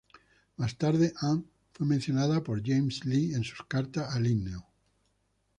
Más tarde, Anne fue mencionada por James Lee en sus cartas a Linneo.